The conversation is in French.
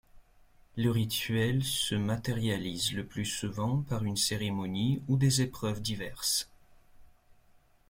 Le rituel se matérialise le plus souvent par une cérémonie ou des épreuves diverses.